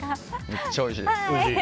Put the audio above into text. めっちゃおいしいです。